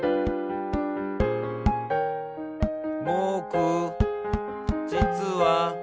「ぼくじつは」